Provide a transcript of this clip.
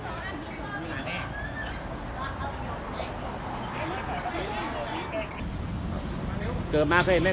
จำโคกระบวนพะแห่งผิดใจ